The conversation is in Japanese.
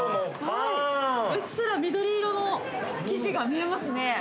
うっすら緑色の生地が見えますね。